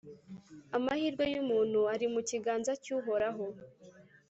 Amahirwe y’umuntu ari mu kiganza cy’Uhoraho,